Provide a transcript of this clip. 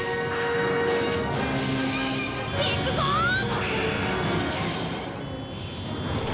いくぞっ！